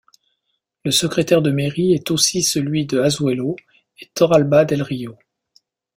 Le secrétaire de mairie est aussi celui de Azuelo et Torralba del Río.